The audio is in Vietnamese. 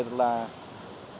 tất cả một mươi năm công tác